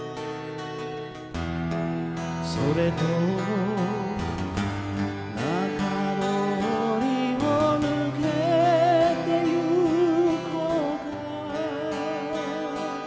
「それとも中通りを抜けてゆこうか」